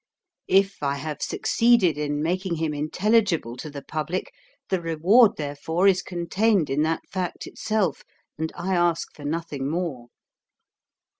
If I have succeeded in making him intelligible to the public, the reward therefor is contained in that fact itself, and I ask for nothing more.